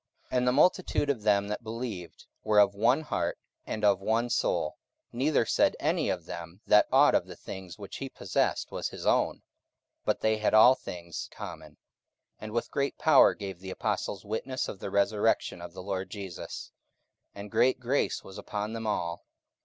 44:004:032 And the multitude of them that believed were of one heart and of one soul: neither said any of them that ought of the things which he possessed was his own; but they had all things common. 44:004:033 And with great power gave the apostles witness of the resurrection of the Lord Jesus: and great grace was upon them all.